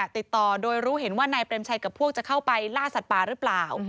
ติดต่อโดยรู้เห็นว่านายเปรมชัยกับพวกจะเข้าไปล่าสัตว์ป่าหรือเปล่า